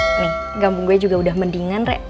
ini gambung gue juga udah mendingan rek